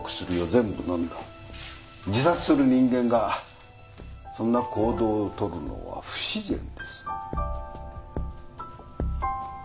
自殺する人間がそんな行動を取るのは不自然です。